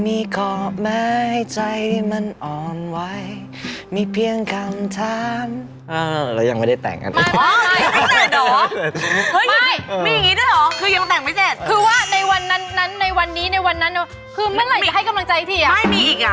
ไม่มีอีกอ่ะในวันที่ไม่มีส่วนลดให้กับความเสียใจ